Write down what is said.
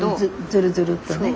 ずるずるっとね。